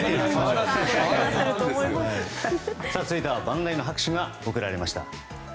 続いては万雷の拍手が送られました。